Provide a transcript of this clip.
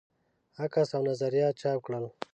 عکس او نظریات چاپ کړل.